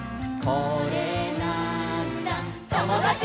「これなーんだ『ともだち！』」